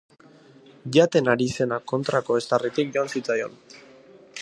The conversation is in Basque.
Jaten ari zena kontrako eztarritik joan zitzaion.